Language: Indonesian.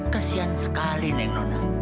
kesian sekali neng nona